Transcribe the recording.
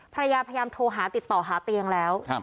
พยายามโทรหาติดต่อหาเตียงแล้ว